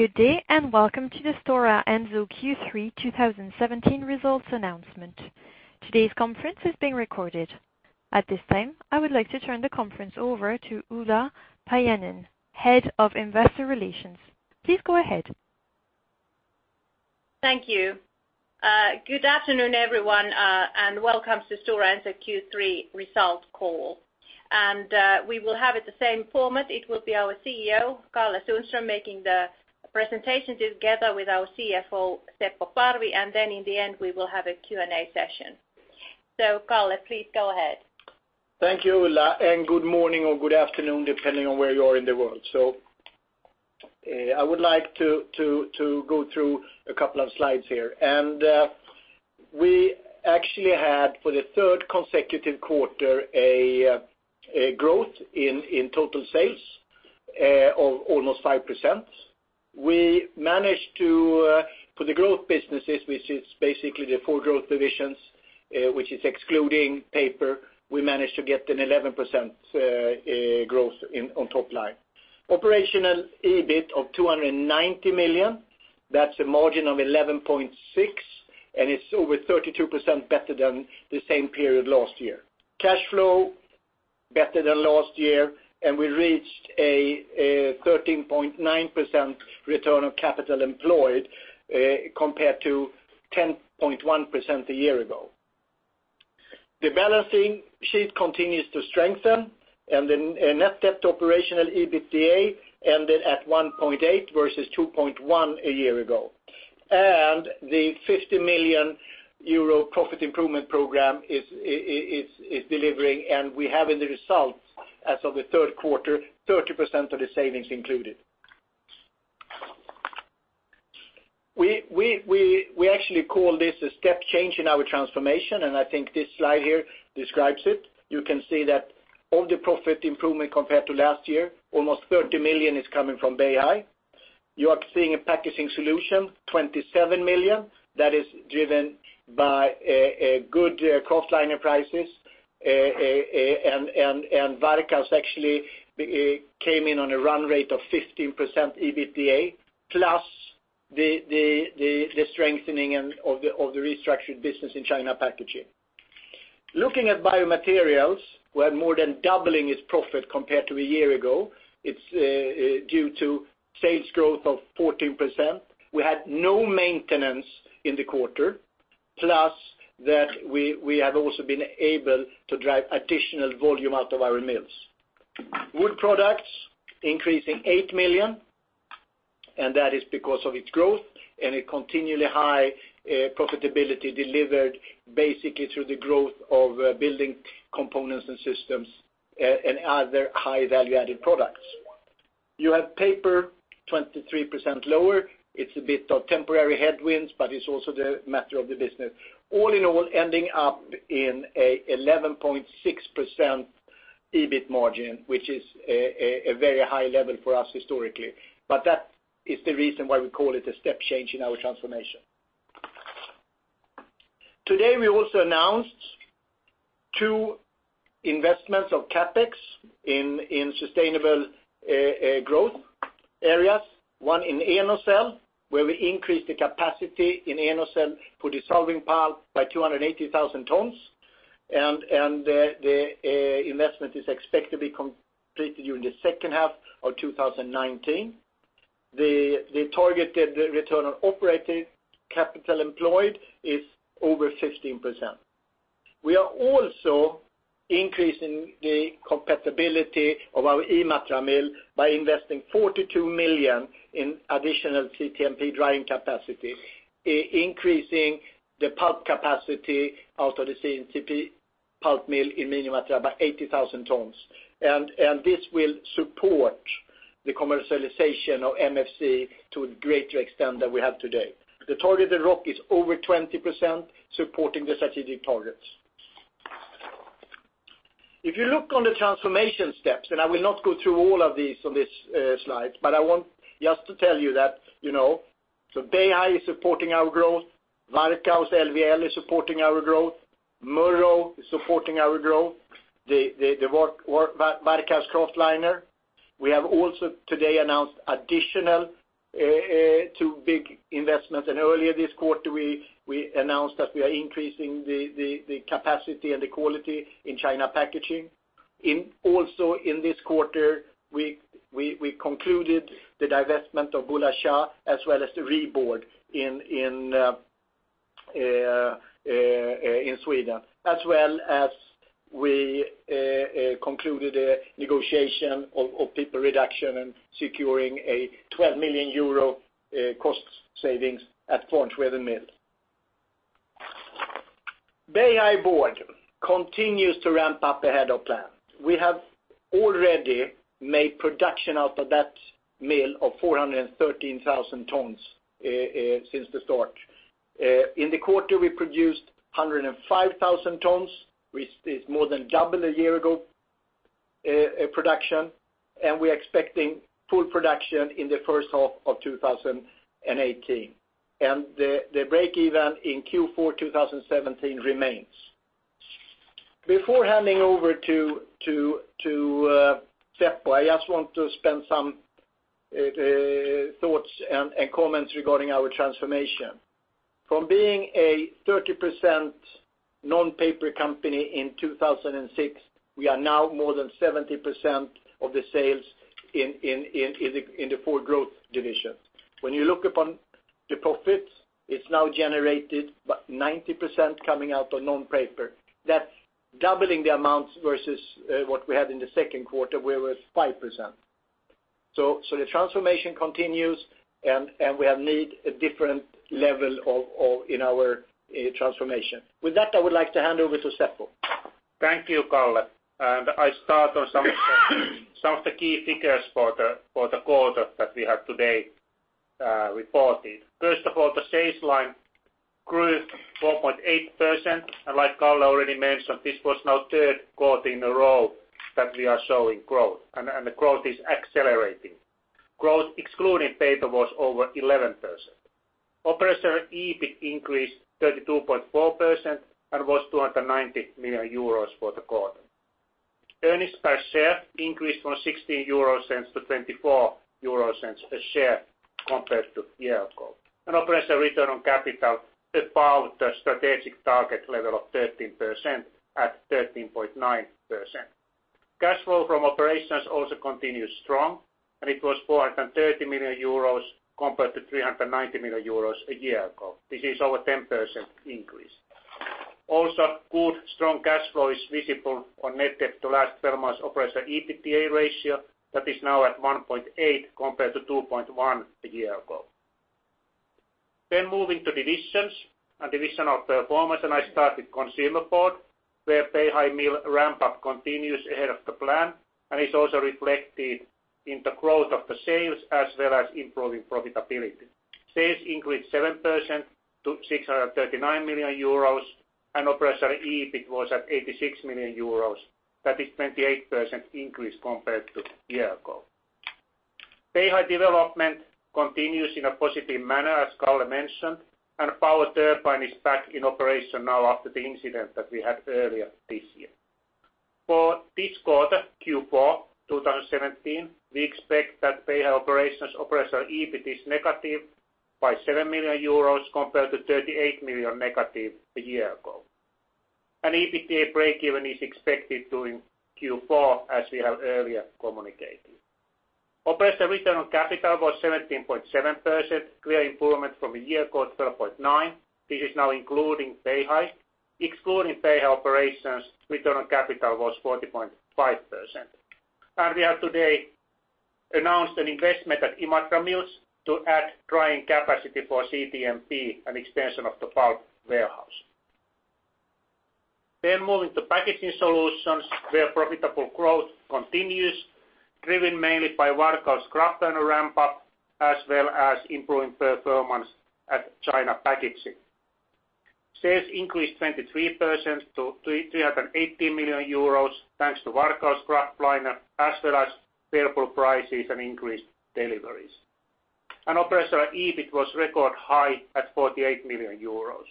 Good day, welcome to the Stora Enso Q3 2017 results announcement. Today's conference is being recorded. At this time, I would like to turn the conference over to Ulla Paajanen, Head of Investor Relations. Please go ahead. Thank you. Good afternoon, everyone, welcome to Stora Enso Q3 results call. We will have it the same format. It will be our CEO, Karl-Henrik Sundström, making the presentation together with our CFO, Seppo Parvi, in the end, we will have a Q&A session. Kalle, please go ahead. Thank you, Ulla, good morning or good afternoon, depending on where you are in the world. I would like to go through a couple of slides here. We actually had, for the third consecutive quarter, a growth in total sales of almost 5%. For the growth businesses, which is basically the four growth divisions which is excluding paper, we managed to get an 11% growth on top line. Operational EBIT of 290 million. That's a margin of 11.6%, it's over 32% better than the same period last year. Cash flow better than last year, we reached a 13.9% return of capital employed compared to 10.1% a year ago. The balance sheet continues to strengthen, the net debt operational EBITDA ended at 1.8 versus 2.1 a year ago. The 50 million euro profit improvement program is delivering, we have in the results as of the third quarter, 30% of the savings included. We actually call this a step change in our transformation, I think this slide here describes it. You can see that of the profit improvement compared to last year, almost 30 million is coming from Beihai. You are seeing in Packaging Solutions 27 million. That is driven by good kraftliner prices, Varkaus actually came in on a run rate of 15% EBITDA, plus the strengthening of the restructured business in China Packaging. Looking at Biomaterials, we're more than doubling its profit compared to a year ago. It's due to sales growth of 14%. We had no maintenance in the quarter, plus that we have also been able to drive additional volume out of our mills. Wood Products increasing 8 million, that is because of its growth and a continually high profitability delivered basically through the growth of building components and systems and other high value-added products. You have paper 23% lower. It's a bit of temporary headwinds, but it's also the matter of the business. All in all, ending up in an 11.6% EBIT margin, which is a very high level for us historically. That is the reason why we call it a step change in our transformation. Today we also announced two investments of CapEx in sustainable growth areas. One in Enocell, where we increased the capacity in Enocell for dissolving pulp by 280,000 tons, and the investment is expected to be completed during the second half of 2019. The targeted return on operating capital employed is over 15%. We are also increasing the compatibility of our Imatra mill by investing 42 million in additional CTMP drying capacity, increasing the pulp capacity out of the CTMP pulp mill in Imatra by 80,000 tons. This will support the commercialization of MFC to a greater extent than we have today. The targeted ROC is over 20%, supporting the strategic targets. If you look on the transformation steps, I will not go through all of these on this slide, I want just to tell you that Beihai is supporting our growth, Varkaus LVL is supporting our growth, Murów is supporting our growth, the Varkaus kraftliner. We have also today announced additional two big investments, earlier this quarter, we announced that we are increasing the capacity and the quality in China Packaging. Also in this quarter, we concluded the divestment of CulinaS AB as well as the Re-board in Sweden, as well as we concluded a negotiation of people reduction and securing 12 million euro cost savings at Franzwehe mill. Beihai board continues to ramp up ahead of plan. We have already made production out of that mill of 413,000 tons since the start. In the quarter, we produced 105,000 tons, which is more than double a year ago production, we're expecting full production in the first half of 2018. The break even in Q4 2017 remains. Before handing over to Seppo, I just want to spend some thoughts and comments regarding our transformation. From being a 30% non-paper company in 2006, we are now more than 70% of the sales in the four growth divisions. When you look upon the profits, it's now generated about 90% coming out of non-paper. That's doubling the amounts versus what we had in the second quarter, where it was 5%. The transformation continues, we have made a different level in our transformation. With that, I would like to hand over to Seppo. Thank you, Kalle. I start on some of the key figures for the quarter that we have today reported. First of all, the sales line grew 4.8%, and like Kalle already mentioned, this was now third quarter in a row that we are showing growth, and the growth is accelerating. Growth excluding paper was over 11%. Operating EBIT increased 32.4% and was 290 million euros for the quarter. Earnings per share increased from 0.16 to 0.24 a share compared to a year ago. Operating return on capital above the strategic target level of 13% at 13.9%. Cash flow from operations also continues strong, and it was 430 million euros compared to 390 million euros a year ago. This is over 10% increase. Good strong cash flow is visible on net debt to last 12 months operating EBITDA ratio that is now at 1.8 compared to 2.1 a year ago. Moving to divisions and division of performance, I start with Consumer Board, where Beihai mill ramp-up continues ahead of the plan and is also reflected in the growth of the sales as well as improving profitability. Sales increased 7% to 639 million euros, and operating EBIT was at 86 million euros. That is 28% increase compared to a year ago. Beihai development continues in a positive manner, as Kalle mentioned, and power turbine is back in operation now after the incident that we had earlier this year. For this quarter, Q4 2017, we expect that Beihai operations operating EBIT is negative by 7 million euros compared to 38 million negative a year ago. EBITDA breakeven is expected during Q4, as we have earlier communicated. Operating return on capital was 17.7%, clear improvement from a year ago, 12.9%. This is now including Beihai. Excluding Beihai operations, return on capital was 14.5%. We have today announced an investment at Imatra Mills to add drying capacity for CTMP and expansion of the pulp warehouse. Moving to Packaging Solutions, where profitable growth continues, driven mainly by Varkaus kraftliner ramp-up as well as improving performance at China Packaging. Sales increased 23% to 380 million euros, thanks to Varkaus kraftliner as well as favorable prices and increased deliveries. Operating EBIT was record high at 48 million euros.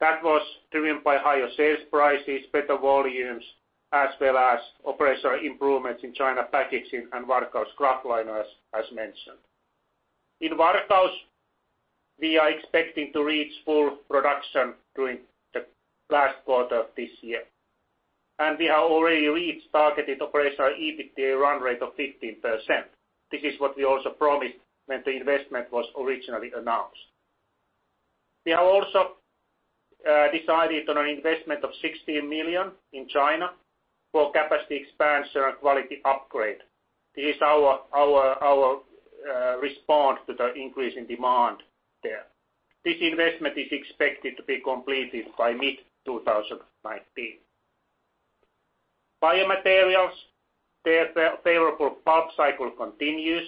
That was driven by higher sales prices, better volumes, as well as operational improvements in China Packaging and Varkaus kraftliner, as mentioned. In Varkaus, we are expecting to reach full production during the last quarter of this year, and we have already reached targeted operating EBITDA run rate of 15%. This is what we also promised when the investment was originally announced. We have also decided on an investment of 16 million in China for capacity expansion and quality upgrade. This is our response to the increase in demand there. This investment is expected to be completed by mid-2019. Biomaterials, their favorable pulp cycle continues.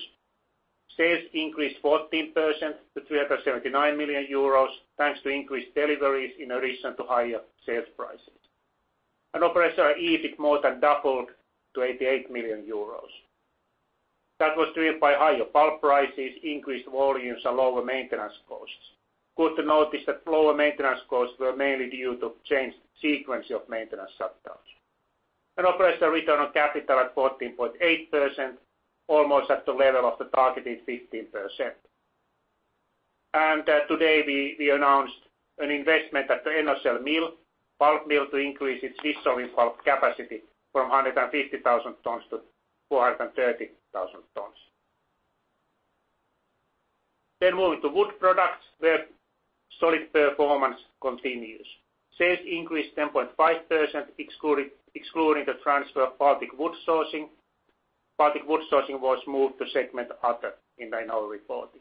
almost at the level of the targeted 15%. Today, we announced an investment at the Enocell mill, pulp mill, to increase its dissolving pulp capacity from 150,000 tons to 430,000 tons. Moving to Wood Products, where solid performance continues. Sales increased 10.5%, excluding the transfer of Baltic Wood Sourcing. Baltic Wood Sourcing was moved to segment Other in our reporting.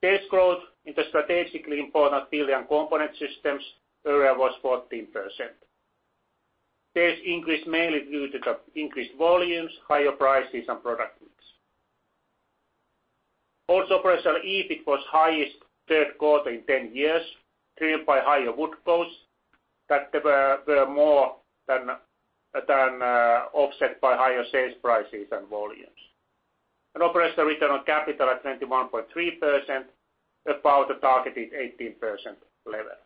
Sales growth in the strategically important building and component systems area was 14%. Sales increased mainly due to the increased volumes, higher prices and product mix. Also, operating EBIT was highest third quarter in 10 years, driven by higher wood costs that were more than offset by higher sales prices and volumes. Operating return on capital at 21.3%, above the targeted 18% level.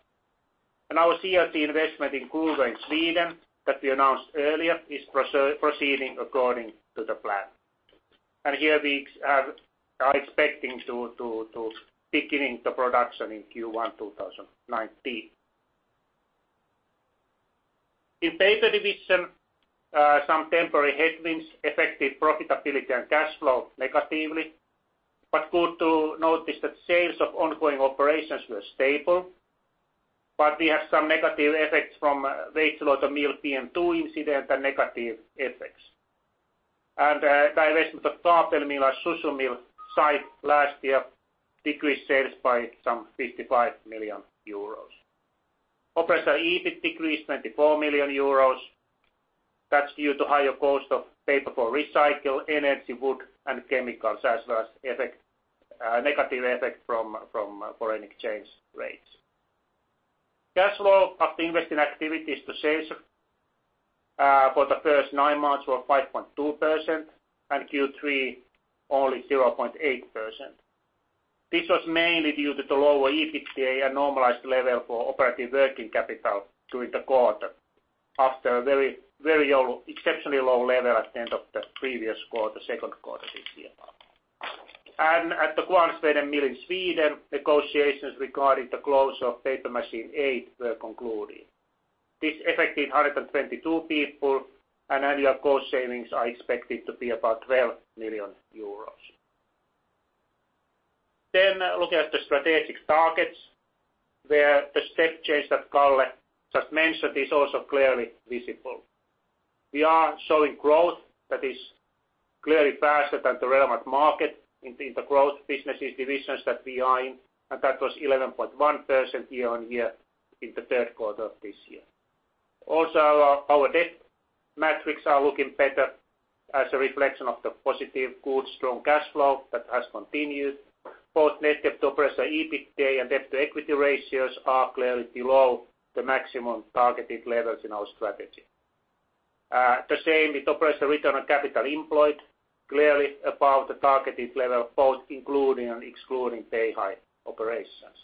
Our CLT investment in Gruvön, Sweden that we announced earlier is proceeding according to the plan. Here we are expecting to beginning the production in Q1 2019. In Paper division, some temporary headwinds affected profitability and cash flow negatively. Good to notice that sales of ongoing operations were stable, but we had some negative effects from Veitsiluoto mill PM2 incident and negative effects. Divestment of Kabel Mill and Suzhou mill site last year decreased sales by some 55 million euros. Operating EBIT decreased 24 million euros. That is due to higher cost of paper for recycle, energy wood and chemicals, as well as negative effect from foreign exchange rates. Cash flow of investing activities to sales for the first nine months were 5.2%, and Q3 only 0.8%. This was mainly due to the lower EBITDA normalized level for operating working capital during the quarter after a very exceptionally low level at the end of the previous quarter, second quarter this year. At the Kvarnsveden mill in Sweden, negotiations regarding the close of paper machine 8 were concluded. This affected 122 people, and annual cost savings are expected to be about 12 million euros. Looking at the strategic targets, where the step change that Kalle just mentioned is also clearly visible. We are showing growth that is clearly faster than the relevant market in the growth businesses divisions that we are in, and that was 11.1% year-on-year in the third quarter of this year. Also, our debt metrics are looking better as a reflection of the positive, good, strong cash flow that has continued. Both net debt to operating EBITDA and debt-to-equity ratios are clearly below the maximum targeted levels in our strategy. The same with operating return on capital employed, clearly above the targeted level, both including and excluding Beihai operations.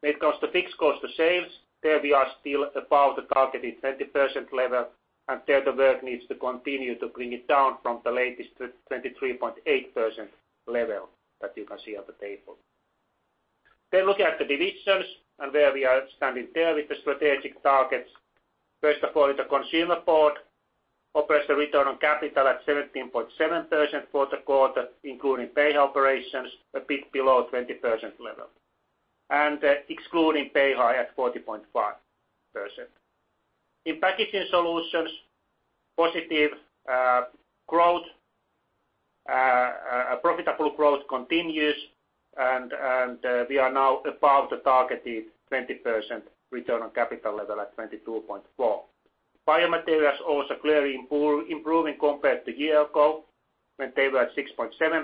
When it comes to fixed cost to sales, there we are still above the targeted 20% level, and there the work needs to continue to bring it down from the latest 23.8% level that you can see on the table. Looking at the divisions and where we are standing there with the strategic targets. First of all, in the Consumer Board, operating return on capital at 17.7% for the quarter, including Beihai operations, a bit below 20% level. Excluding Beihai at 14.5%. In Packaging Solutions, positive growth, profitable growth continues, and we are now above the targeted 20% return on capital level at 22.4%. Biomaterials also clearly improving compared to a year ago when they were at 6.7%,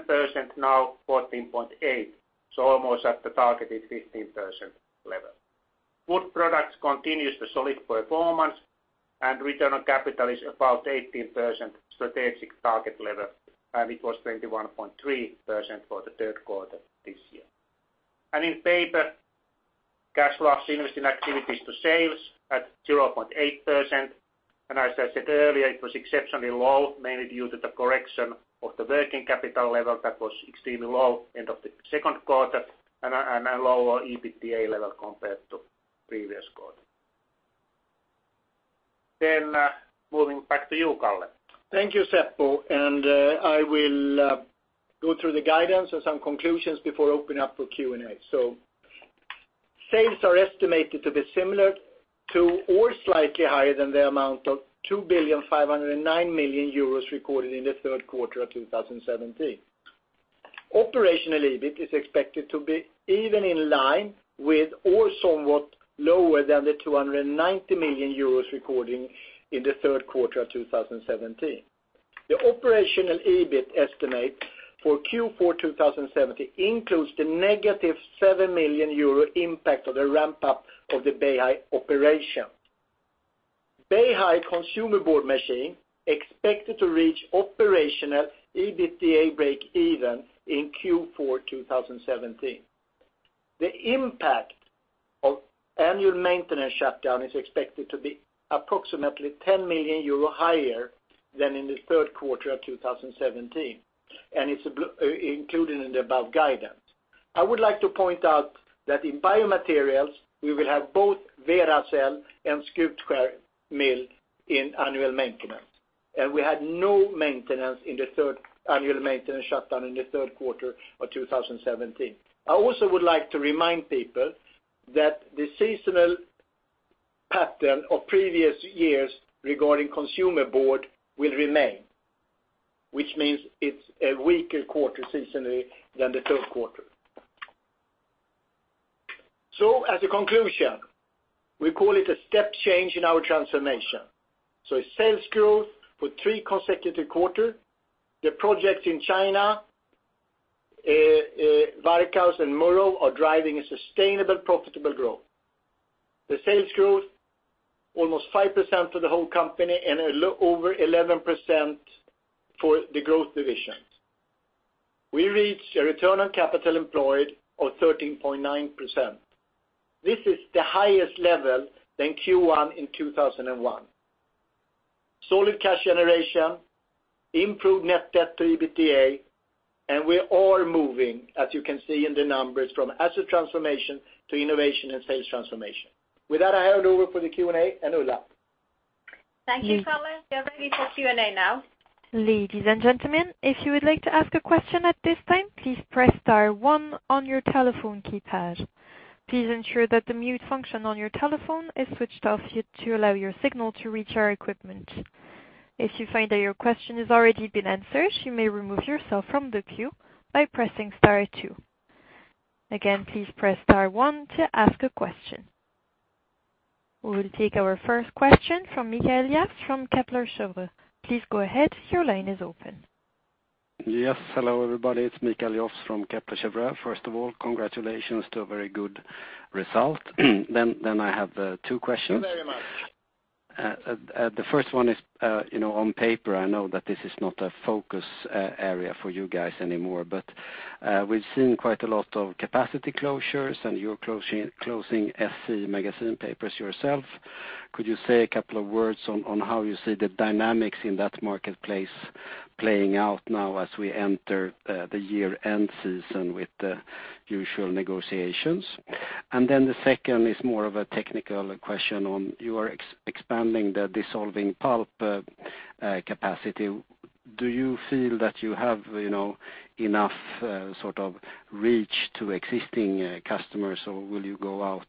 now 14.8%, so almost at the targeted 15% level. Wood Products continues the solid performance and return on capital is above 18% strategic target level, and it was 21.3% for the third quarter this year. In Paper, cash flow from investing activities to sales at 0.8%. As I said earlier, it was exceptionally low, mainly due to the correction of the working capital level that was extremely low end of the second quarter and a lower EBITDA level compared to previous quarter. Moving back to you, Kalle. Thank you, Seppo. I will go through the guidance and some conclusions before opening up for Q&A. Sales are estimated to be similar to or slightly higher than the amount of 2.509 billion euros recorded in the third quarter of 2017. Operational EBIT is expected to be even in line with or somewhat lower than the 290 million euros recorded in the third quarter of 2017. The operational EBIT estimate for Q4 2017 includes the negative 7 million euro impact of the ramp-up of the Beihai operation. Beihai Consumer Board machine expected to reach operational EBITDA break even in Q4 2017. The impact of annual maintenance shutdown is expected to be approximately 10 million euro higher than in the third quarter of 2017, it's included in the above guidance. I would like to point out that in Biomaterials, we will have both Veracel and Skutskär mill in annual maintenance, and we had no annual maintenance shutdown in the third quarter of 2017. I also would like to remind people that the seasonal pattern of previous years regarding Consumer Board will remain, which means it's a weaker quarter seasonally than the third quarter. As a conclusion, we call it a step change in our transformation. Sales growth for three consecutive quarter, the project in China, Varkaus and Murów are driving a sustainable, profitable growth. The sales growth almost 5% for the whole company and over 11% for the growth divisions. We reached a return on capital employed of 13.9%. This is the highest level than Q1 in 2001. Solid cash generation, improved net debt to EBITDA, we're all moving, as you can see in the numbers, from asset transformation to innovation and sales transformation. With that, I hand over for the Q&A, Ulla. Thank you, Kalle. We are ready for Q&A now. Ladies and gentlemen, if you would like to ask a question at this time, please press star one on your telephone keypad. Please ensure that the mute function on your telephone is switched off to allow your signal to reach our equipment. If you find that your question has already been answered, you may remove yourself from the queue by pressing star two. Again, please press star one to ask a question. We will take our first question from Mikael Jåfs from Kepler Cheuvreux. Please go ahead. Your line is open. Yes, hello, everybody. It's Mikael Jafs from Kepler Cheuvreux. First of all, congratulations to a very good result. I have two questions. Thank you very much. The first one is, on paper, I know that this is not a focus area for you guys anymore. We've seen quite a lot of capacity closures, and you're closing SC magazine papers yourself. Could you say a couple of words on how you see the dynamics in that marketplace playing out now as we enter the year-end season with the usual negotiations? The second is more of a technical question on you are expanding the dissolving pulp capacity. Do you feel that you have enough reach to existing customers, or will you go out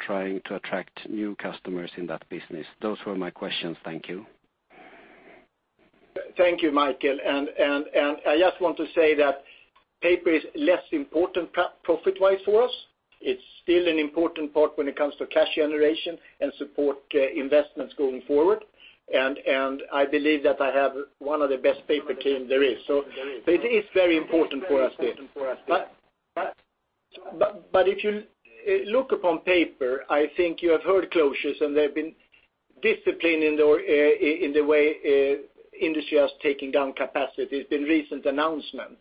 trying to attract new customers in that business? Those were my questions. Thank you. Thank you, Mikael. I just want to say that paper is less important profit-wise for us. It's still an important part when it comes to cash generation and support investments going forward. I believe that I have one of the best paper team there is, it is very important for us there. If you look upon paper, I think you have heard closures. There have been discipline in the way industry has taken down capacity. It's been recent announcement.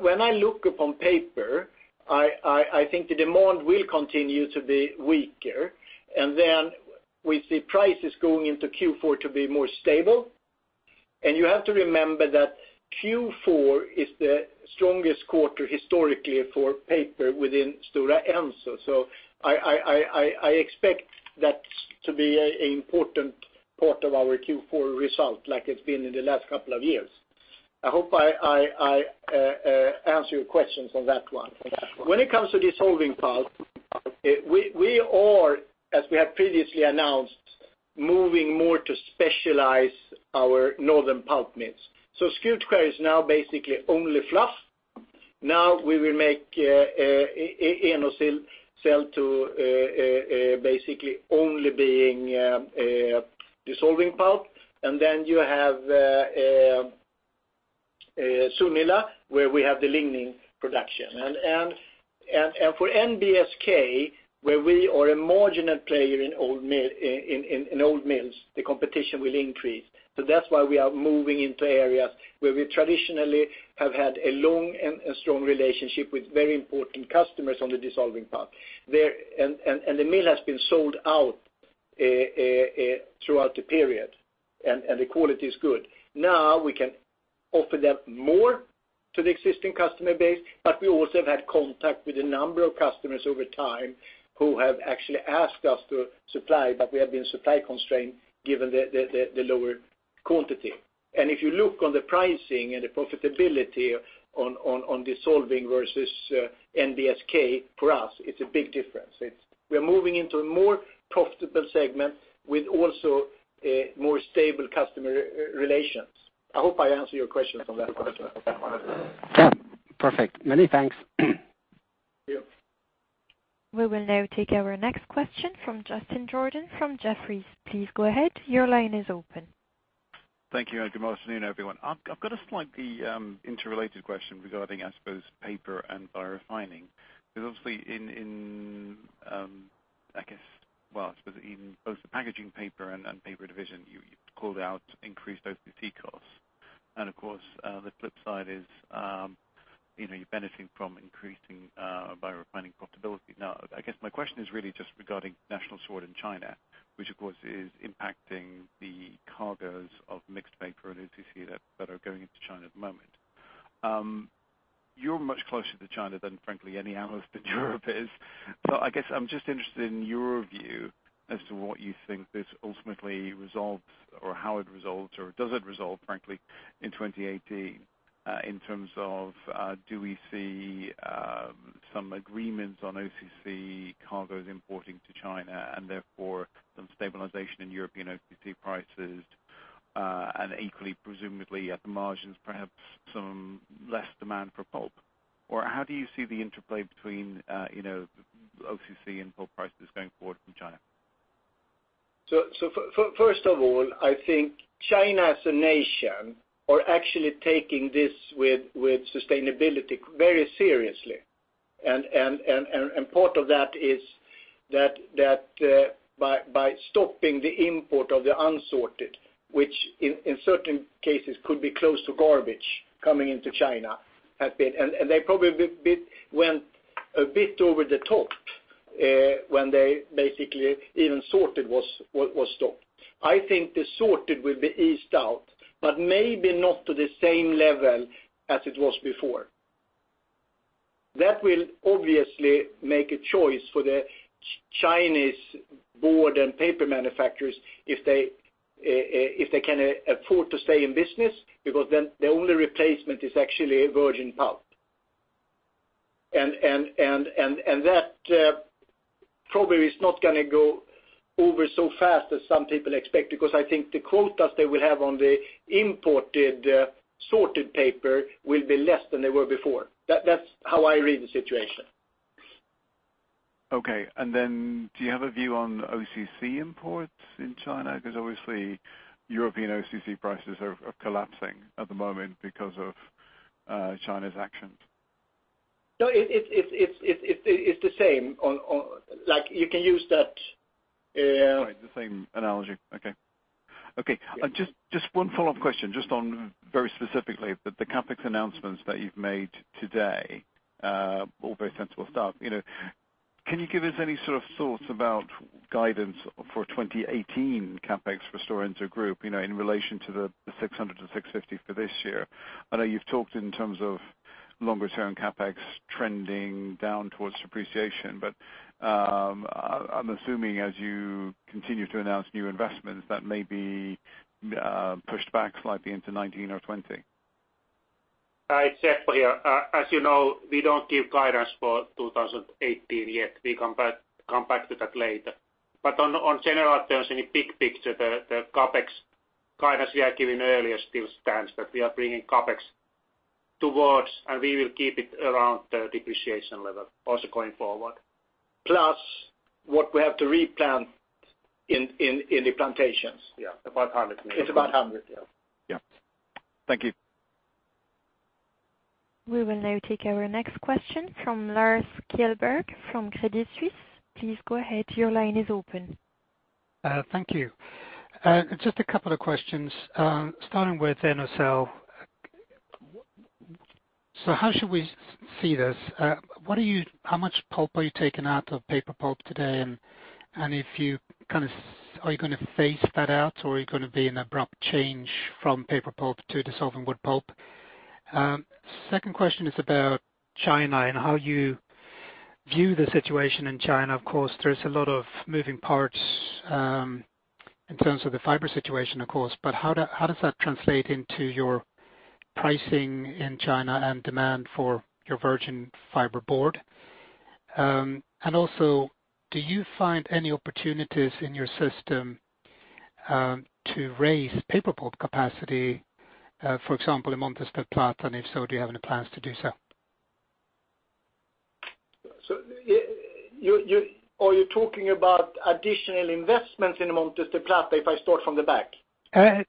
When I look upon paper, I think the demand will continue to be weaker. We see prices going into Q4 to be more stable. You have to remember that Q4 is the strongest quarter historically for paper within Stora Enso. I expect that to be an important part of our Q4 result, like it's been in the last couple of years. I hope I answer your questions on that one. Yeah. When it comes to dissolving pulp, we are, as we have previously announced, moving more to specialize our Northern pulp mills. Skutskär is now basically only fluff. Now we will make Enocell to basically only being dissolving pulp. You have Sunila, where we have the lignin production. For NBSK, where we are a marginal player in old mills, the competition will increase. That's why we are moving into areas where we traditionally have had a long and a strong relationship with very important customers on the dissolving pulp. The mill has been sold out throughout the period. The quality is good. Now we can offer them more to the existing customer base. We also have had contact with a number of customers over time who have actually asked us to supply. We have been supply constrained given the lower quantity. If you look on the pricing and the profitability on dissolving versus NBSK, for us, it's a big difference. We're moving into a more profitable segment with also more stable customer relations. I hope I answered your questions on that one. Yeah. Perfect. Many thanks. Yeah. We will now take our next question from Justin Jordan from Jefferies. Please go ahead. Your line is open. Thank you, good afternoon, everyone. I've got a slightly interrelated question regarding, I suppose, paper and biorefining, because obviously in, I guess, well, I suppose in both the packaging paper and paper division, you called out increased OCC costs. Of course, the flip side is you're benefiting from increasing biorefining profitability. I guess my question is really just regarding National Sword in China, which, of course, is impacting the cargoes of mixed paper and OCC that are going into China at the moment. You're much closer to China than frankly any of us in Europe is. I guess I'm just interested in your view as to what you think this ultimately resolves, or how it resolves, or does it resolve, frankly, in 2018, in terms of do we see some agreements on OCC cargoes importing to China and therefore some stabilization in European OCC prices, and equally, presumably at the margins, perhaps some less demand for pulp? How do you see the interplay between OCC and pulp prices going forward from China? First of all, I think China as a nation are actually taking this with sustainability very seriously. Part of that is that by stopping the import of the unsorted, which in certain cases could be close to garbage coming into China, and they probably went a bit over the top when they basically even sorted was stopped. I think the sorted will be eased out, but maybe not to the same level as it was before. That will obviously make a choice for the Chinese board and paper manufacturers if they can afford to stay in business because then their only replacement is actually virgin pulp. That probably is not going to go over so fast as some people expect, because I think the quotas they will have on the imported sorted paper will be less than they were before. That's how I read the situation. Okay. Then do you have a view on OCC imports in China? Because obviously European OCC prices are collapsing at the moment because of China's actions. No, it's the same. You can use that- Right, the same analogy. Okay. Just one follow-up question, just on very specifically, the CapEx announcements that you've made today, all very sensible stuff. Can you give us any sort of thoughts about guidance for 2018 CapEx for Stora Enso group, in relation to the 600 million to 650 million for this year? I know you've talked in terms of longer term CapEx trending down towards depreciation, but I'm assuming as you continue to announce new investments, that may be pushed back slightly into 2019 or 2020. It's Seppo here. As you know, we don't give guidance for 2018 yet. We come back to that later. On general terms, in the big picture, the CapEx guidance we are giving earlier still stands that we are bringing CapEx towards, and we will keep it around the depreciation level also going forward. Plus what we have to replant in the plantations. Yeah, about 100 million. It's about 100 million, yeah. Yeah. Thank you. We will now take our next question from Lars Kjellberg from Credit Suisse. Please go ahead. Your line is open. Thank you. Just a couple of questions, starting with Enocell. How should we see this? How much pulp are you taking out of paper pulp today? Are you going to phase that out or are you going to be an abrupt change from paper pulp to dissolving wood pulp? Second question is about China and how you view the situation in China. Of course, there is a lot of moving parts in terms of the fiber situation, of course. How does that translate into your pricing in China and demand for your virgin fiberboard? Do you find any opportunities in your system to raise paper pulp capacity, for example, in Montes del Plata? If so, do you have any plans to do so? Are you talking about additional investments in Montes del Plata, if I start from the back?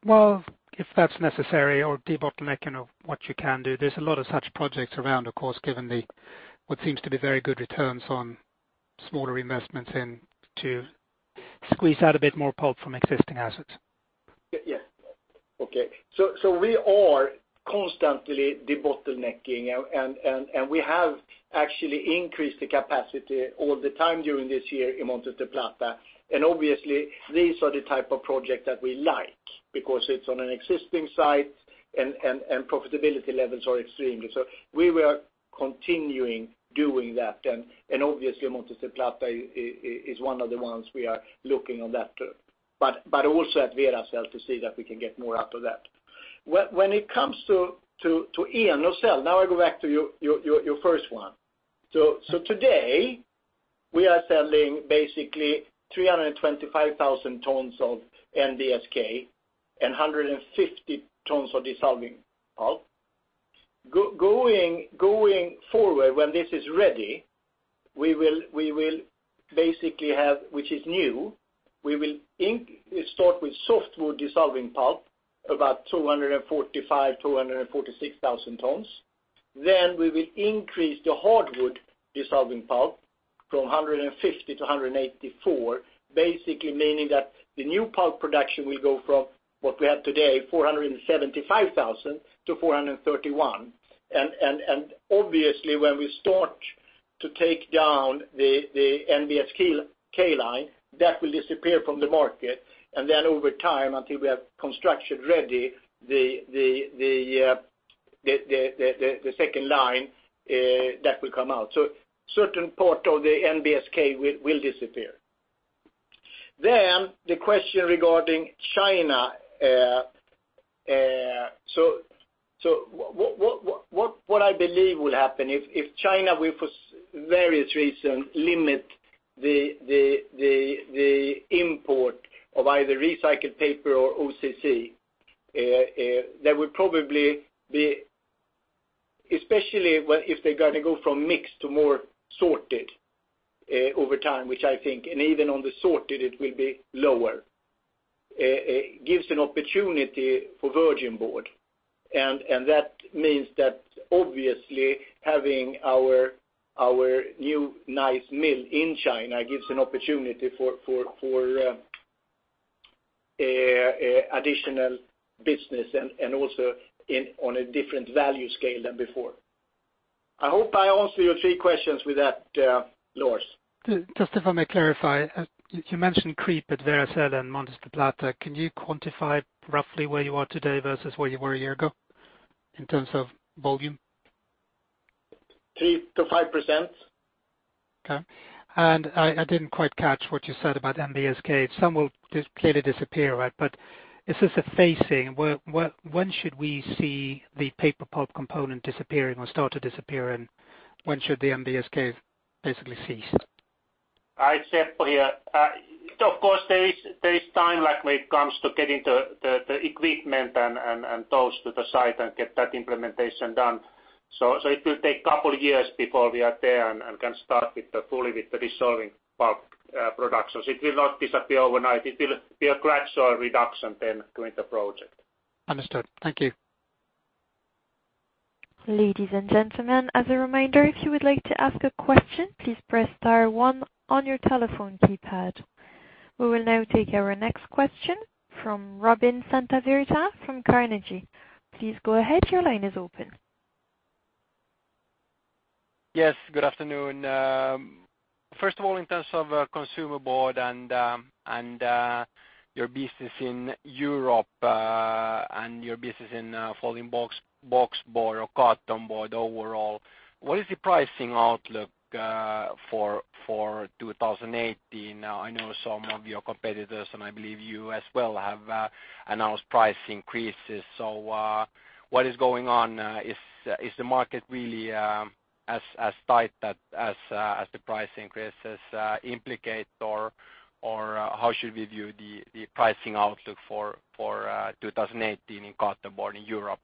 Well, if that's necessary or debottlenecking of what you can do. There's a lot of such projects around, of course, given the what seems to be very good returns on smaller investments in to squeeze out a bit more pulp from existing assets. Yes. Okay. We are constantly debottlenecking, and we have actually increased the capacity all the time during this year in Montes del Plata. These are the type of projects that we like because it's on an existing site and profitability levels are extremely. We were continuing doing that. Montes del Plata is one of the ones we are looking on that too. At Veracel to see that we can get more out of that. When it comes to Enocell, now I go back to your first one. Today we are selling basically 325,000 tons of NBSK and 150,000 tons of dissolving pulp. Going forward, when this is ready, we will basically have, which is new, we will start with softwood dissolving pulp, about 245,000 to 246,000 tons. We will increase the hardwood dissolving pulp from 150 to 184, basically meaning that the new pulp production will go from what we have today, 475,000 to 431,000. Obviously, when we start to take down the NBSK line, that will disappear from the market. Over time, until we have construction ready, the second line that will come out. Certain part of the NBSK will disappear. The question regarding China. What I believe will happen, if China will for various reasons limit the import of either recycled paper or OCC, there will probably be Especially if they are going to go from mixed to more sorted over time, which I think, and even on the sorted, it will be lower. It gives an opportunity for virgin board. That means that obviously having our new nice mill in China gives an opportunity for additional business and also on a different value scale than before. I hope I answered your three questions with that, Lars. Just if I may clarify, you mentioned creep at Veracel and Montes del Plata. Can you quantify roughly where you are today versus where you were a year ago in terms of volume? 3%-5%. Okay. I didn't quite catch what you said about NBSK. Some will clearly disappear, but is this a phasing? When should we see the paper pulp component disappearing or start to disappear, and when should the NBSK basically cease? Seppo here. Of course, there is timeline when it comes to getting the equipment and those to the site and get that implementation done. It will take a couple of years before we are there and can start fully with the dissolving pulp production. It will not disappear overnight. It will be a gradual reduction then during the project. Understood. Thank you. Ladies and gentlemen, as a reminder, if you would like to ask a question, please press star one on your telephone keypad. We will now take our next question from Robin Santavirta from Carnegie. Please go ahead. Your line is open. Yes, good afternoon. First of all, in terms of Consumer Board and your business in Europe, and your business in Folding Boxboard or carton board overall, what is the pricing outlook for 2018? I know some of your competitors, and I believe you as well, have announced price increases. What is going on? Is the market really as tight as the price increases implicate, or how should we view the pricing outlook for 2018 in carton board in Europe?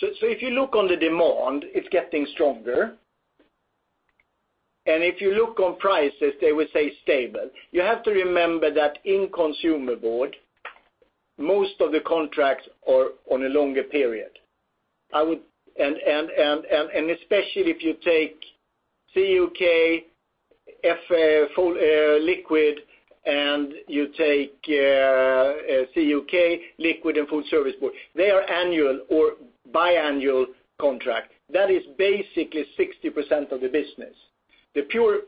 If you look on the demand, it's getting stronger, and if you look on prices, they will stay stable. You have to remember that in Consumer Board, most of the contracts are on a longer period. Especially if you take CUK, liquid, and you take CUK liquid and food service board, they are annual or biannual contract. That is basically 60% of the business. The pure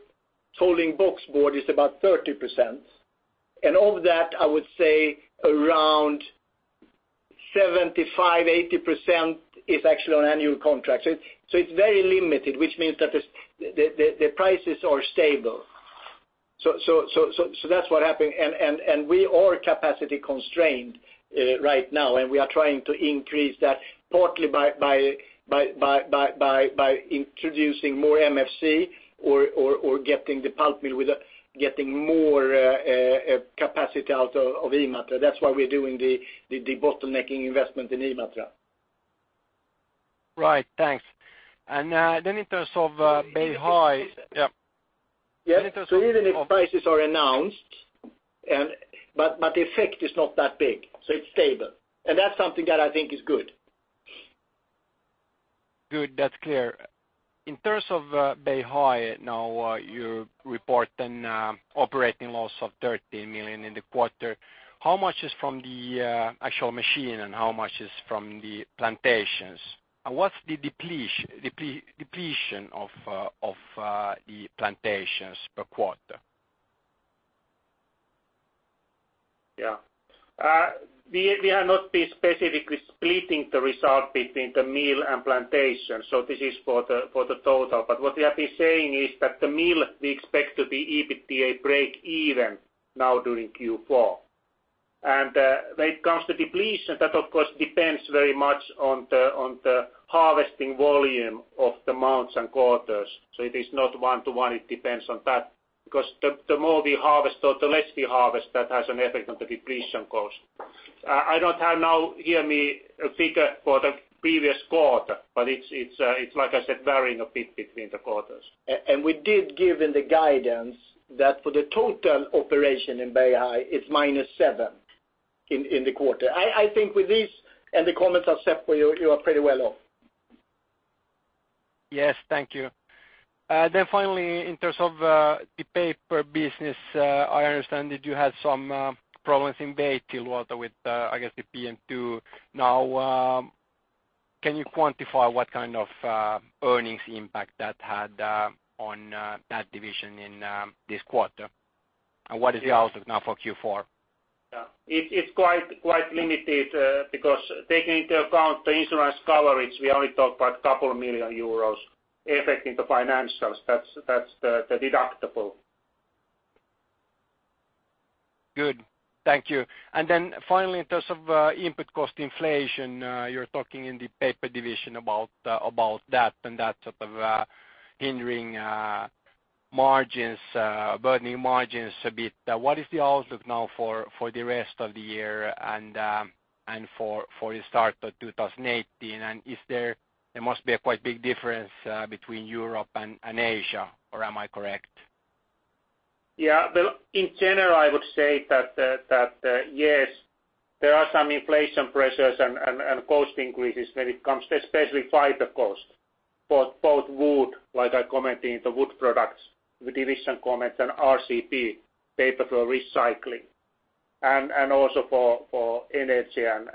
Folding Boxboard is about 30%, and of that, I would say around 75%, 80% is actually on annual contract. It's very limited, which means that the prices are stable. That's what happened. We are capacity constrained right now, and we are trying to increase that partly by introducing more MFC or getting the pulp mill with getting more capacity out of Imatra. That's why we're doing the bottlenecking investment in Imatra. Right. Thanks. Then in terms of Beihai- Even if prices are announced, but the effect is not that big. It's stable. That's something that I think is good. Good. That's clear. In terms of Beihai, you are reporting operating loss of 13 million in the quarter. How much is from the actual machine, and how much is from the plantations? What is the depletion of the plantations per quarter? We have not been specifically splitting the result between the mill and plantation. This is for the total. What we have been saying is that the mill, we expect to be EBITDA break even now during Q4. When it comes to depletion, that of course depends very much on the harvesting volume of the months and quarters. It is not one to one. It depends on that, because the more we harvest or the less we harvest, that has an effect on the depletion cost. I do not have now here me a figure for the previous quarter, but it is like I said, varying a bit between the quarters. We did give in the guidance that for the total operation in Beihai, it is minus 7 in the quarter. I think with this and the comments of Seppo, you are pretty well off. Yes. Thank you. Finally, in terms of the paper business, I understand that you had some problems in Beihai too, what with, I guess, the PM2 now. Can you quantify what kind of earnings impact that had on that division in this quarter? What is the outlook now for Q4? It's quite limited, because taking into account the insurance coverage, we only talk about a couple of million EUR affecting the financials. That's the deductible. Good. Thank you. Finally, in terms of input cost inflation, you're talking in the paper division about that and that sort of hindering margins, burning margins a bit. What is the outlook now for the rest of the year and for the start of 2018? There must be a quite big difference between Europe and Asia, or am I correct? In general, I would say that, yes, there are some inflation pressures and cost increases when it comes to especially fiber cost for both wood, like I commented in the Wood Products division comment on RCP, paper for recycling, and also for energy and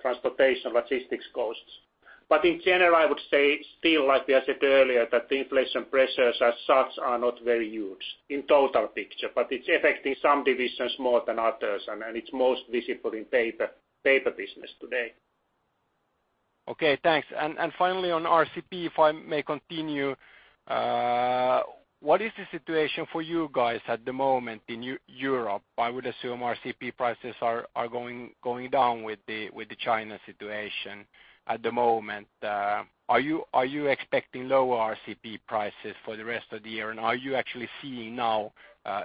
transportation logistics costs. In general, I would say still, like we said earlier, that the inflation pressures as such are not very huge in total picture, but it's affecting some divisions more than others, and it's most visible in paper business today. Okay, thanks. Finally, on RCP, if I may continue. What is the situation for you guys at the moment in Europe? I would assume RCP prices are going down with the China situation at the moment. Are you expecting lower RCP prices for the rest of the year? Are you actually seeing now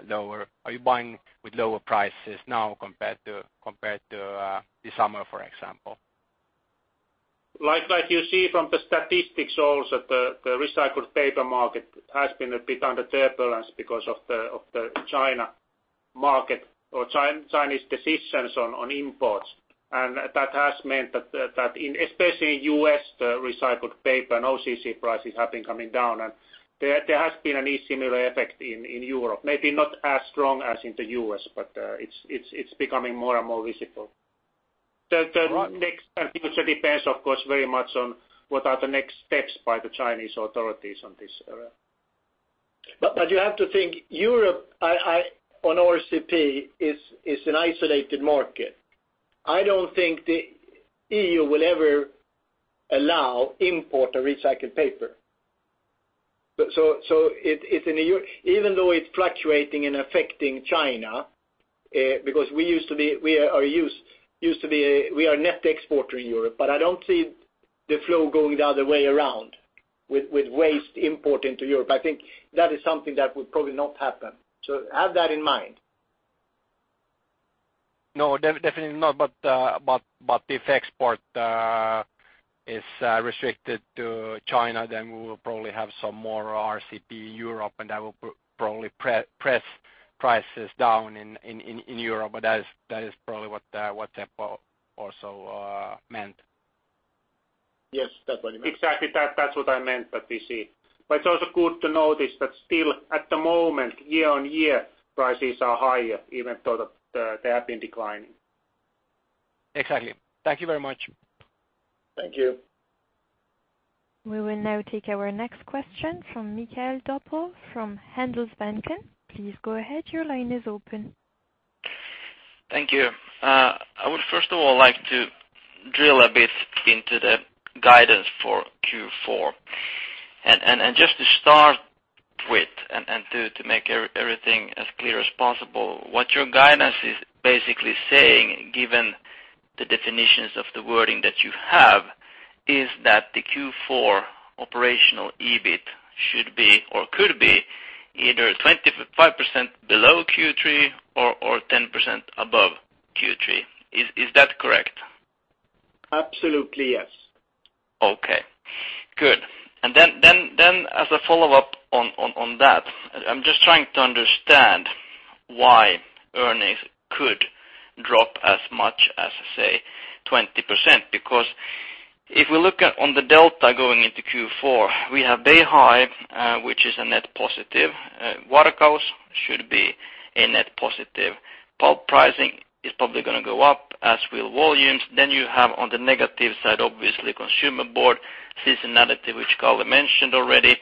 lower? Are you buying with lower prices now compared to this summer, for example? Like you see from the statistics also, the recycled paper market has been a bit under turbulence because of the China market or Chinese decisions on imports. That has meant that especially in the U.S., the recycled paper and OCC prices have been coming down. There has been a similar effect in Europe. Maybe not as strong as in the U.S., but it's becoming more and more visible. The next future depends, of course, very much on what are the next steps by the Chinese authorities on this area. You have to think, Europe on RCP is an isolated market. I don't think the EU will ever allow import of recycled paper. Even though it's fluctuating and affecting China, because we are net exporter in Europe, I don't see the flow going the other way around with waste import into Europe. I think that is something that would probably not happen. Have that in mind. No, definitely not. If export is restricted to China, then we will probably have some more RCP in Europe, and that will probably press prices down in Europe. That is probably what Seppo also meant. Yes, that what he meant. Exactly. That's what I meant that we see. It's also good to notice that still at the moment, year-on-year, prices are higher even though they have been declining. Exactly. Thank you very much. Thank you. We will now take our next question from Mikael Doepel from Handelsbanken. Please go ahead. Your line is open. Thank you. I would first of all like to drill a bit into the guidance for Q4. Just to start with and to make everything as clear as possible, what your guidance is basically saying, given the definitions of the wording that you have, is that the Q4 operational EBIT should be or could be either 25% below Q3 or 10% above Q3. Is that correct? Absolutely, yes. Okay, good. Then as a follow-up on that, I'm just trying to understand why earnings could drop as much as, say, 20%. If we look at on the delta going into Q4, we have Beihai which is a net positive. Varkaus should be a net positive. Pulp pricing is probably going to go up as will volumes. You have on the negative side, obviously, Consumer Board seasonality, which Kalle mentioned already,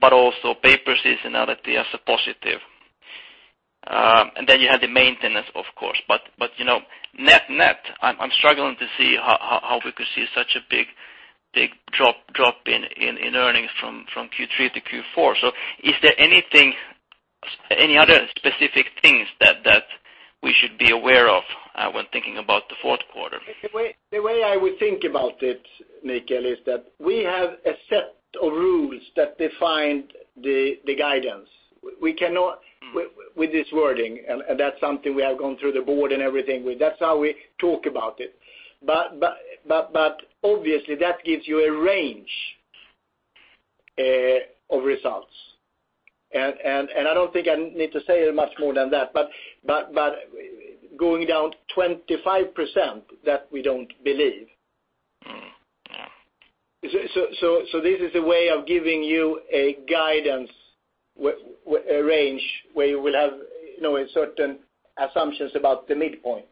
but also paper seasonality as a positive. You have the maintenance, of course. Net, I'm struggling to see how we could see such a big drop in earnings from Q3 to Q4. Is there any other specific things that we should be aware of when thinking about the fourth quarter? The way I would think about it, Mikael, is that we have a set of rules that define the guidance with this wording, that's something we have gone through the board and everything with. That's how we talk about it. Obviously, that gives you a range of results. I don't think I need to say much more than that. Going down 25%, that we don't believe. Yeah. This is a way of giving you a guidance range where you will have certain assumptions about the midpoint.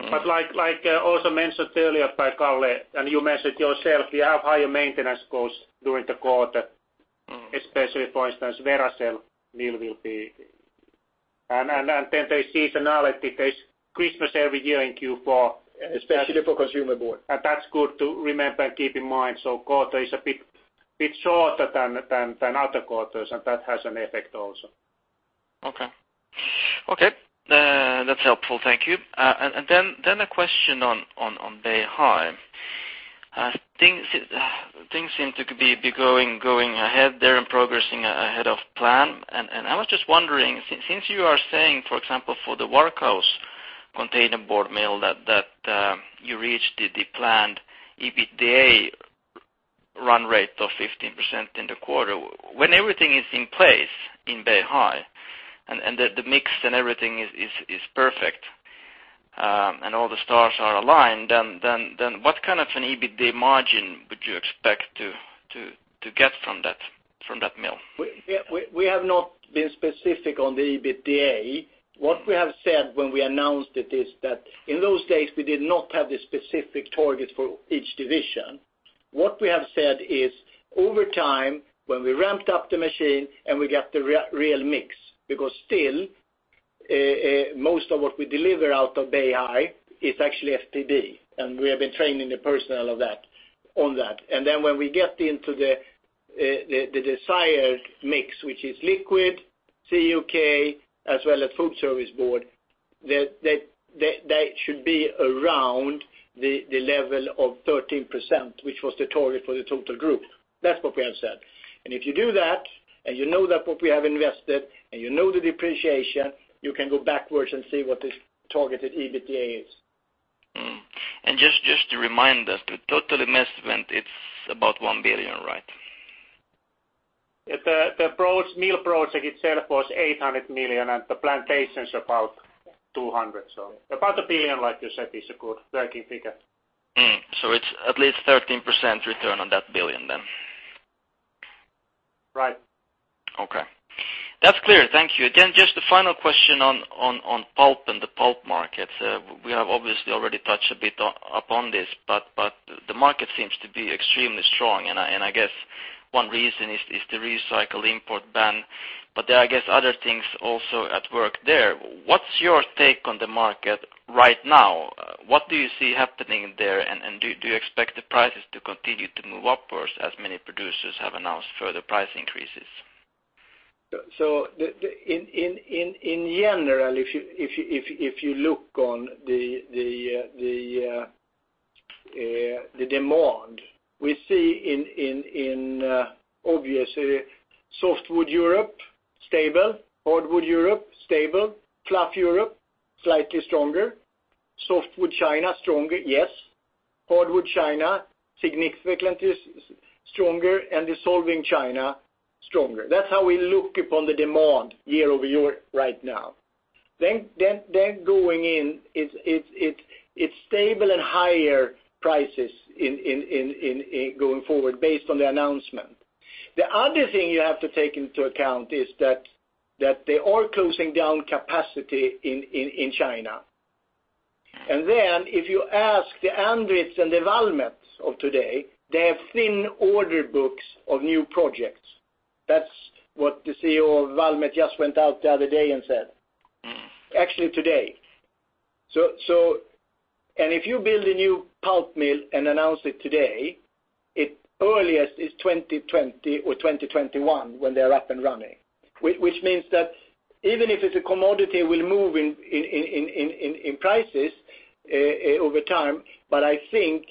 Like also mentioned earlier by Kalle, and you mentioned yourself, we have higher maintenance costs during the quarter, especially, for instance, Veracel deal will be. There is seasonality. There is Christmas every year in Q4. Especially for Consumer Board That's good to remember and keep in mind. Quarter is a bit shorter than other quarters, and that has an effect also. Okay. That's helpful. Thank you. A question on Beihai. Things seem to be going ahead there and progressing ahead of plan. I was just wondering, since you are saying, for example, for the Varkaus container board mill that you reached the planned EBITDA run rate of 15% in the quarter. When everything is in place in Beihai, and the mix and everything is perfect, and all the stars are aligned, what kind of an EBITDA margin would you expect to get from that mill? We have not been specific on the EBITDA. What we have said when we announced it is that in those days, we did not have the specific target for each division. What we have said is, over time, when we ramped up the machine and we get the real mix, because still, most of what we deliver out of Beihai is actually FBB, and we have been training the personnel on that. When we get into the desired mix, which is liquid CUK, as well as food service board, that should be around the level of 13%, which was the target for the total group. That's what we have said. If you do that, and you know that what we have invested, and you know the depreciation, you can go backwards and see what the targeted EBITDA is. Just to remind us, the total investment, it's about 1 billion, right? The mill project itself was 800 million and the plantation's about 200 million. About 1 billion, like you said, is a good working figure. It's at least 13% return on that 1 billion then. Right. Okay. That's clear. Thank you. Just a final question on pulp and the pulp market. We have obviously already touched a bit upon this, but the market seems to be extremely strong, and I guess one reason is the recycle import ban. There are, I guess, other things also at work there. What's your take on the market right now? What do you see happening there? Do you expect the prices to continue to move upwards as many producers have announced further price increases? In general, if you look on the demand, we see in obvious softwood Europe, stable; hardwood Europe, stable; fluff Europe, slightly stronger; softwood China, stronger, yes; hardwood China, significantly stronger; and dissolving China, stronger. That's how we look upon the demand year-over-year right now. Going in, it's stable and higher prices going forward based on the announcement. The other thing you have to take into account is that they are closing down capacity in China. If you ask the Andritz and the Valmet of today, they have thin order books of new projects. That's what the CEO of Valmet just went out the other day and said. Actually today. If you build a new pulp mill and announce it today, it earliest is 2020 or 2021 when they're up and running, which means that even if it's a commodity, will move in prices over time, but I think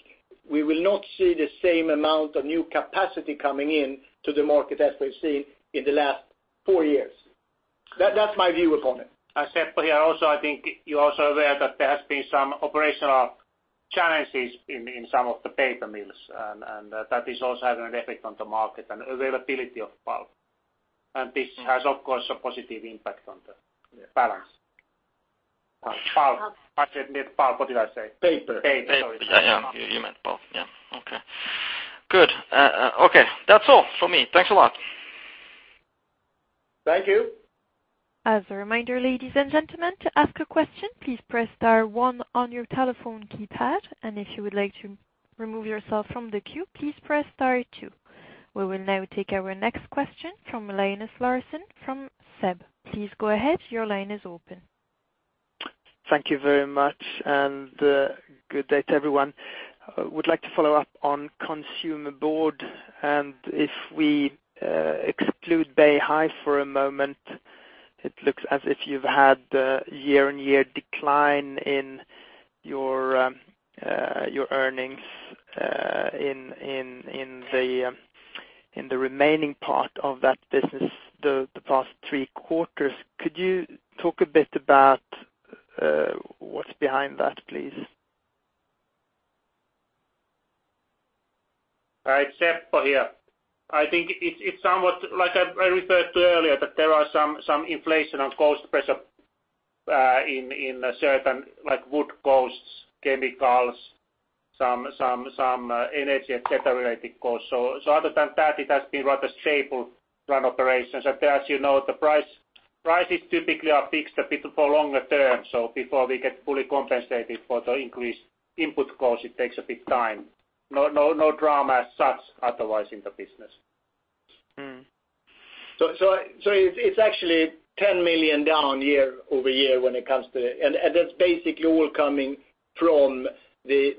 we will not see the same amount of new capacity coming in to the market as we've seen in the last four years. That's my view upon it. Seppo here also, I think you're also aware that there has been some operational challenges in some of the paper mills, that is also having an effect on the market and availability of pulp. This has, of course, a positive impact on the balance. Pulp. I said mill. Pulp. What did I say? Paper. Paper. Sorry. Yeah, you meant pulp. Yeah. Okay. Good. Okay. That's all from me. Thanks a lot. Thank you. As a reminder, ladies and gentlemen, to ask a question, please press star one on your telephone keypad. If you would like to remove yourself from the queue, please press star two. We will now take our next question from Linus Larsson from SEB. Please go ahead. Your line is open. Thank you very much, good day to everyone. Would like to follow up on Consumer Board, if we exclude Beihai for a moment, it looks as if you've had a year-on-year decline in your earnings in the remaining part of that business the past three quarters. Could you talk a bit about what's behind that, please? All right. Seppo here. I think it's somewhat like I referred to earlier, that there are some inflation on cost pressure in certain like wood costs, chemicals, some energy, et cetera, related costs. Other than that, it has been rather stable run operations. As you know, the prices typically are fixed a bit for longer term, before we get fully compensated for the increased input cost, it takes a bit time. No drama as such otherwise in the business. It's actually 10 million down year-over-year when it comes to it. That's basically all coming from the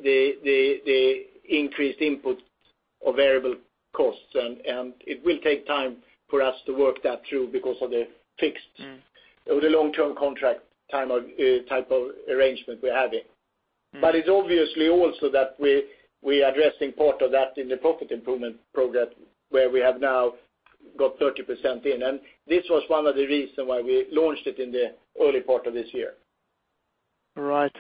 increased input cost. or variable costs. It will take time for us to work that through because of the long-term contract type of arrangement we're having. It's obviously also that we're addressing part of that in the profit improvement program, where we have now got 30% in. This was one of the reasons why we launched it in the early part of this year. Right.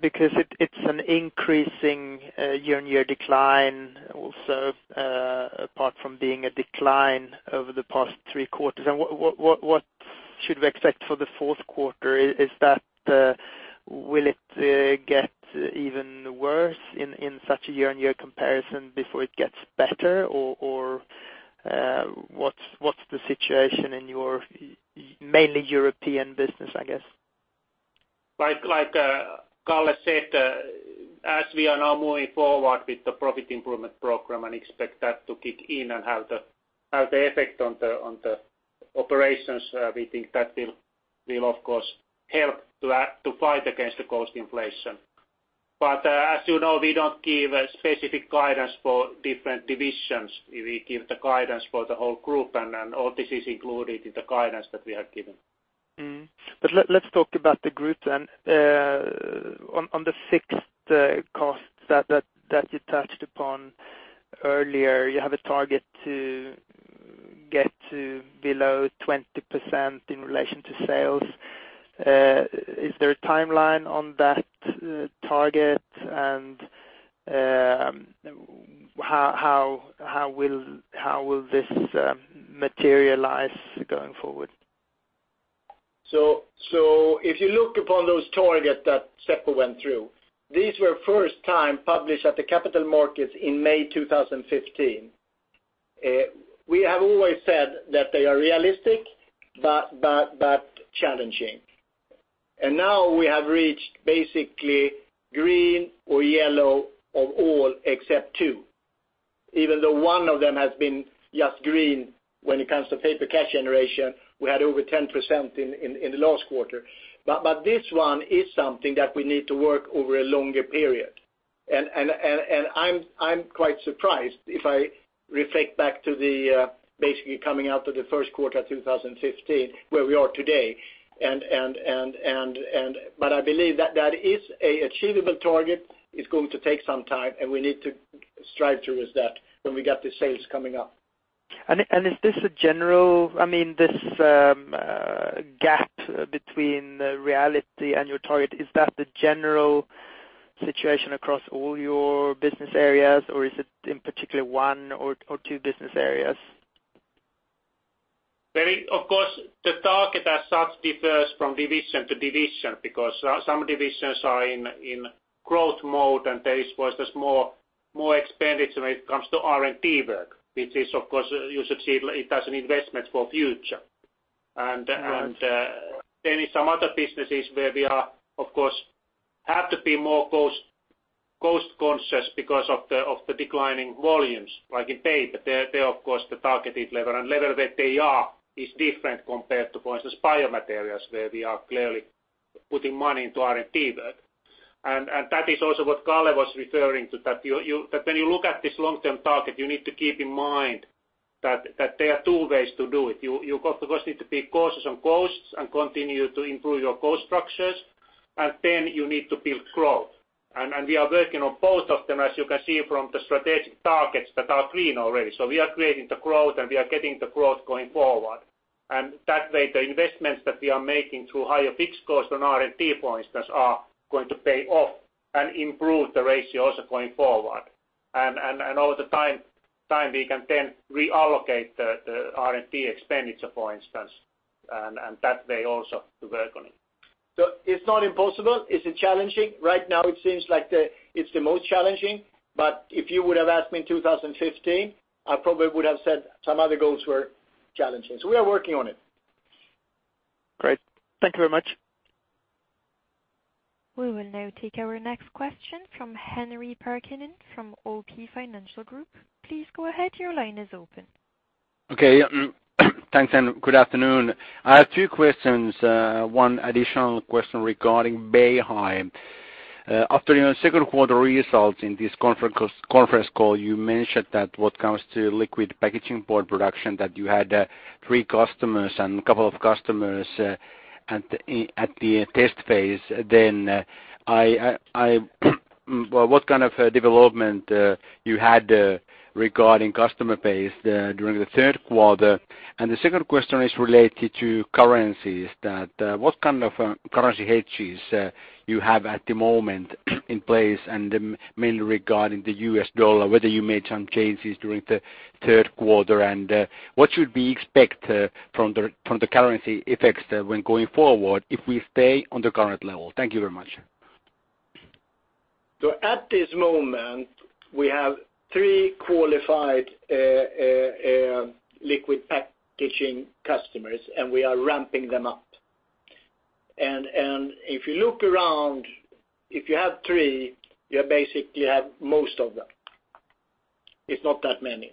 Because it's an increasing year-on-year decline also, apart from being a decline over the past three quarters. What should we expect for the fourth quarter? Will it get even worse in such a year-on-year comparison before it gets better, or what's the situation in your mainly European business, I guess? Like Kalle said, as we are now moving forward with the profit improvement program and expect that to kick in and have the effect on the operations, we think that will of course help to fight against the cost inflation. As you know, we don't give specific guidance for different divisions. We give the guidance for the whole group, all this is included in the guidance that we have given. Let's talk about the group then. On the fixed costs that you touched upon earlier, you have a target to get to below 20% in relation to sales. Is there a timeline on that target, how will this materialize going forward? If you look upon those targets that Seppo went through, these were first time published at the capital markets in May 2015. We have always said that they are realistic, but challenging. Now we have reached basically green or yellow of all except two, even though one of them has been just green when it comes to paper cash generation, we had over 10% in the last quarter. This one is something that we need to work over a longer period. I'm quite surprised if I reflect back to basically coming out of the first quarter of 2015, where we are today. I believe that is a achievable target. It's going to take some time, and we need to strive towards that when we got the sales coming up. This gap between reality and your target, is that the general situation across all your business areas or is it in particular one or two business areas? Of course, the target as such differs from division to division because some divisions are in growth mode and there is, for instance, more expenditure when it comes to R&D work, which is, of course, you should see it as an investment for future. Then in some other businesses where we, of course, have to be more cost-conscious because of the declining volumes. Like in paper, there, of course, the targeted level and level that they are is different compared to, for instance, Biomaterials, where we are clearly putting money into R&D work. That is also what Kalle was referring to, that when you look at this long-term target, you need to keep in mind that there are two ways to do it. You, of course, need to be cautious on costs and continue to improve your cost structures, and then you need to build growth. We are working on both of them, as you can see from the strategic targets that are green already. We are creating the growth, and we are getting the growth going forward. That way, the investments that we are making through higher fixed costs on R&D points, those are going to pay off and improve the ratio also going forward. Over time, we can then reallocate the R&D expenditure, for instance, and that way also to work on it. It's not impossible. It's challenging. Right now it seems like it's the most challenging, but if you would have asked me in 2015, I probably would have said some other goals were challenging. We are working on it. Great. Thank you very much. We will now take our next question from Henri Parkkinen from OP Financial Group. Please go ahead. Your line is open. Okay. Thanks, and good afternoon. I have two questions, one additional question regarding Beihai. After your second quarter results in this conference call, you mentioned that what comes to liquid packaging board production, that you had three customers and a couple of customers at the test phase then. The second question is related to currencies. What kind of currency hedges you have at the moment in place and mainly regarding the US dollar, whether you made some changes during the third quarter? What should we expect from the currency effects when going forward if we stay on the current level? Thank you very much. At this moment, we have three qualified liquid packaging customers, and we are ramping them up. If you look around, if you have three, you basically have most of them. It's not that many.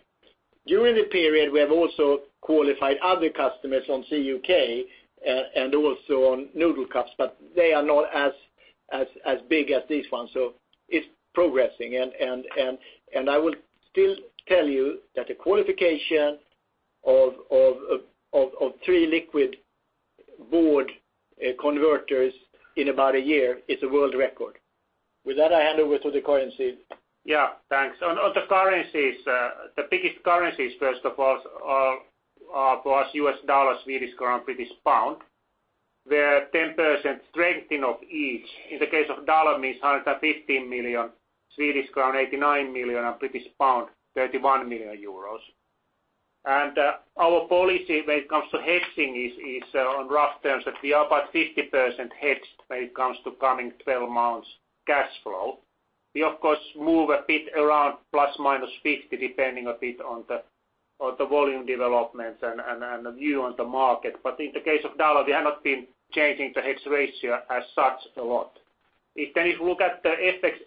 During the period, we have also qualified other customers on CUK and also on noodle cups, they are not as big as this one. It's progressing. I will still tell you that the qualification of three liquid board converters in about a year is a world record. With that, I hand over to the currency. Yeah, thanks. On the currencies, the biggest currencies, first of all, for us, US dollar, Swedish krona, British pound. Where 10% strengthening of each. In the case of dollar means 115 million, Swedish krona, EUR 89 million, and British pound, 31 million euros. Our policy when it comes to hedging is on rough terms that we are about 50% hedged when it comes to coming 12 months cash flow. We, of course, move a bit around plus or minus 50, depending a bit on the volume developments and the view on the market. In the case of dollar, we have not been changing the hedge ratio as such a lot. If then you look at the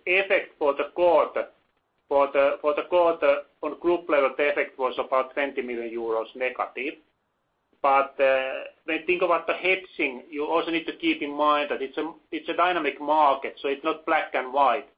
effect for the quarter on group level, the effect was about 20 million euros negative. When you think about the hedging, you also need to keep in mind that it's a dynamic market, it's not black and white.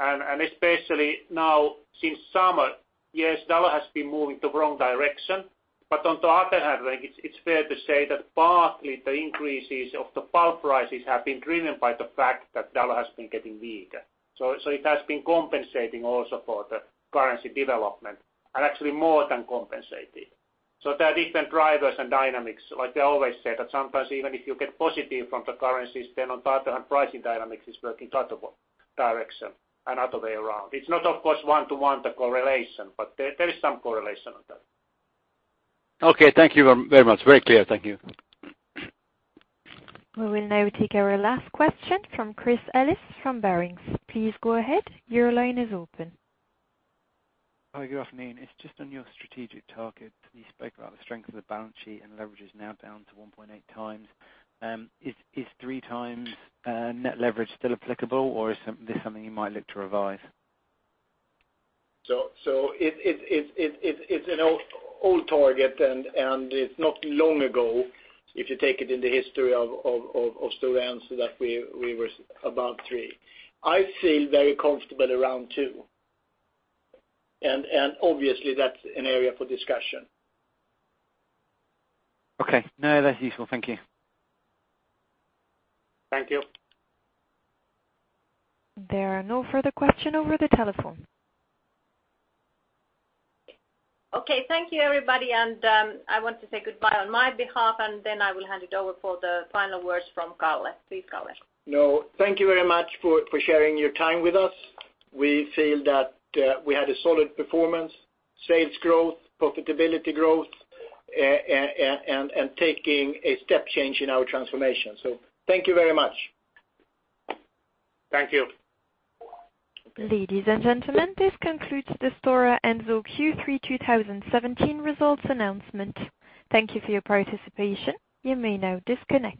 Especially now since summer, yes, dollar has been moving the wrong direction. On the other hand, it's fair to say that partly the increases of the pulp prices have been driven by the fact that dollar has been getting weaker. It has been compensating also for the currency development, and actually more than compensating. There are different drivers and dynamics. Like they always say, that sometimes even if you get positive from the currencies, then on the other hand, pricing dynamics is working the other direction and other way around. It's not, of course, one to one, the correlation, there is some correlation on that. Thank you very much. Very clear. Thank you. We will now take our last question from Chris Ellis from Barings. Please go ahead. Your line is open. Good afternoon. It's just on your strategic target. You spoke about the strength of the balance sheet, and leverage is now down to 1.8 times. Is three times net leverage still applicable, or is this something you might look to revise? It's an old target, and it's not long ago, if you take it in the history of Stora Enso, that we were above three. I feel very comfortable around two. Obviously, that's an area for discussion. Okay. No, that's useful. Thank you. Thank you. There are no further questions over the telephone. Thank you, everybody. I want to say goodbye on my behalf. I will hand it over for the final words from Kalle. Please, Kalle. Thank you very much for sharing your time with us. We feel that we had a solid performance, sales growth, profitability growth, and taking a step change in our transformation. Thank you very much. Thank you. Ladies and gentlemen, this concludes the Stora Enso Q3 2017 results announcement. Thank you for your participation. You may now disconnect.